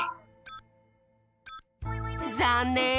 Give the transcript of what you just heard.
ざんねん！